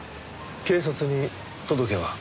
警察に届けは？